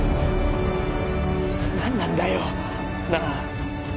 何なんだよなあ？